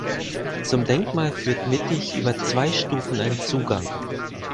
Zum Denkmal führt mittig über zwei Stufen ein Zugang.